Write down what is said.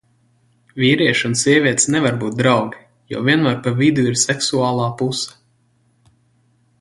Vīrieši un sievietes nevar būt draugi, jo vienmēr pa vidu ir seksuālā puse.